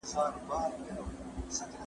په هر څه کي افراط کول زیان لري.